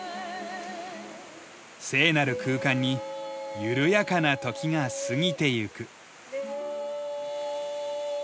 聖なる空間にゆるやかな時が過ぎていく。